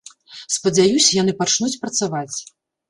Спадзяюся, яны пачнуць працаваць.